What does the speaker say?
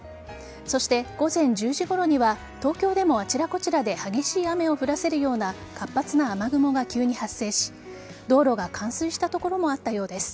そして、午前１０時頃には東京でもあちらこちらで激しい雨を降らせるような活発な雨雲が急に発生し道路が冠水した所もあったようです。